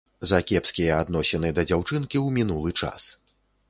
За кепскія адносіны да дзяўчынкі ў мінулы час.